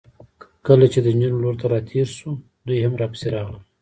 کله چې د نجونو لور ته راتېر شوو، دوی هم راپسې راغلل.